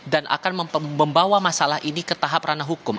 dan akan membawa masalah ini ke tahap ranah hukum